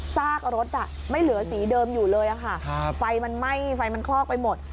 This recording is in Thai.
ซากรถไม่เหลือสีเดิมอยู่เลยค่ะไฟมันไหม้ไฟมันคลอกไปหมด